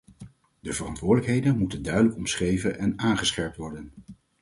De verantwoordelijkheden moeten duidelijk omschreven en aangescherpt worden.